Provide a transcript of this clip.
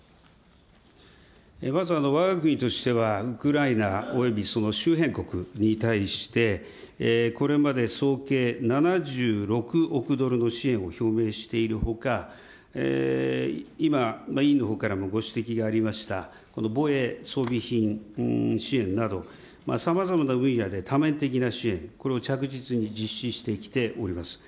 まずわが国としては、ウクライナおよびその周辺国に対して、これまで総計７６億ドルの支援を表明しているほか、今、委員のほうからもご指摘がありました、防衛装備品支援など、さまざまな分野で多面的な支援、これを着実に実施してきております。